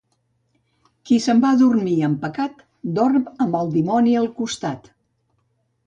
Qui se'n va a dormir amb pecat dorm amb el dimoni al costat.